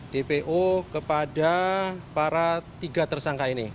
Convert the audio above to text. dpo kepada para tiga tersangka ini